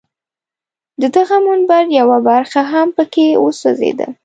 د دغه منبر یوه برخه هم په کې وسوځېده.